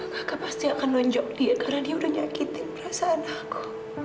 kakak pasti akan nunjuk dia karena dia udah nyakitin perasaan aku